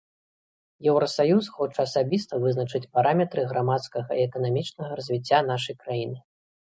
Еўрасаюз хоча асабіста вызначаць параметры грамадскага і эканамічнага развіцця нашай краіны.